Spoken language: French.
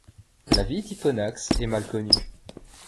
La vie d'Hipponax est mal connue.